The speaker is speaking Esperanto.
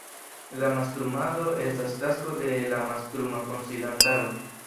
La mastrumado estas tasko de la mastruma konsilantaro.